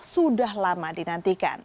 sudah lama dinantikan